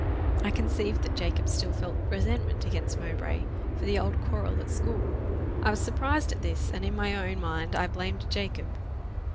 I conceived that Jacob still felt resentment against Mowbray, for the old quarrel at school. I was surprised at this, and in my own mind I blamed Jacob.